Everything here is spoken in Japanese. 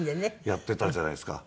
やっていたじゃないですか。